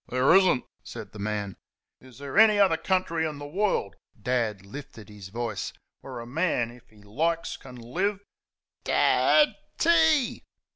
"There is n't!" said the man. "Is there any other country in th' WORLD" (Dad lifted his voice) "where a man, if he likes, can live" ("Dad, tea!")